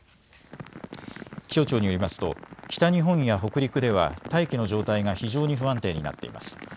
気象庁によりますと北日本や北陸では大気の状態が非常に不安定になっています。